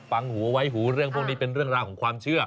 ฟังหูไว้หูเรื่องพวกนี้เป็นเรื่องราวของความเชื่อ